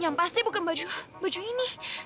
yang pasti bukan baju ini